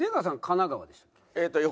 神奈川でしたっけ？